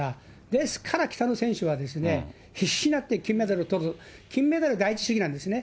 ですから北の選手は必死になって金メダルとる、金メダル第一主義なんですね。